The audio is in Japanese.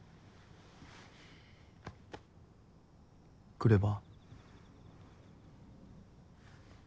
来れば？